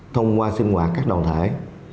thông qua sinh hoạt các đoàn thải